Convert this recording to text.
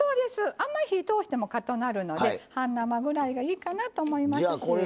あんまり火通してもかたくなるので半生ぐらいがいいかなと思います。